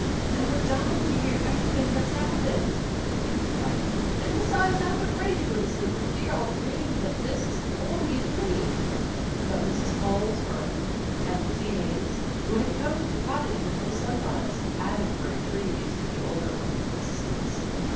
"And we're dying to hear everything that's happened," Amy cried, "and, besides, I'm afraid to go to sleep for fear I'll dream that this is only a dream." But Mrs. Cole was firm, and Lucy Haines, who had come to the cottage before sunrise, added her entreaties to the older woman's insistence.